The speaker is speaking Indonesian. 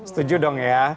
setuju dong ya